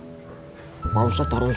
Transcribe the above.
pak ustadz harus siap siap ke musyola